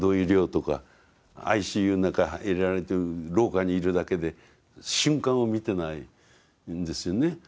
ＩＣＵの中に入れられて廊下にいるだけで瞬間を見てないんですよね。